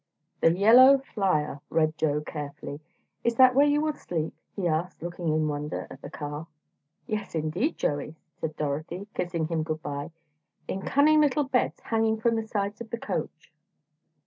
"The Yellow Flyer," read Joe, carefully, "is that where you will sleep?" he asked, looking in wonder at the car. "Yes, indeed, Joey," said Dorothy, kissing him good bye, "in cunning little beds, hanging from the sides of the coach."